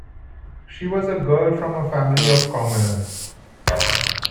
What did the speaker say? She was a girl from a family of commoners.